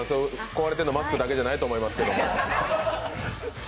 壊れてるのはマスクだけじゃないと思いますけど。